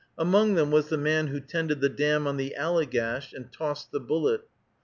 Among them was the man who tended the dam on the Allegash and tossed the bullet.